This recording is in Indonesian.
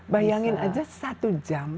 bayangin aja satu jam